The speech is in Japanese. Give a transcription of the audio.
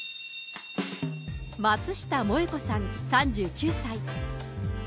松下萌子さん３９歳。